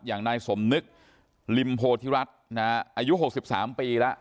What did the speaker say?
อย่างนายสมนึกลิมโภธิรัฐนะฮะอายุหกสิบสามปีแล้ว